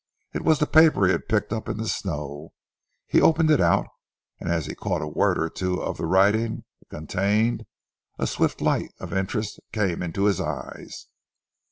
It was the paper he had picked up in the snow. He opened it out, and as he caught a word or two of the writing it contained, a swift light of interest came into his eyes.